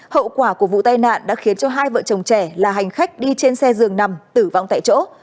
hậu quả của vụ tai nạn đã khiến cho hai vợ chồng trẻ là hành khách đi trên xe dường nằm tử vong tại chỗ